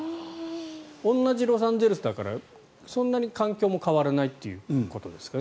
同じロサンゼルスだからそんなに環境も変わらないということですかね。